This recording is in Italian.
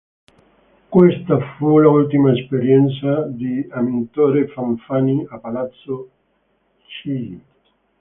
Questa fu l'ultima esperienza di Amintore Fanfani a Palazzo Chigi.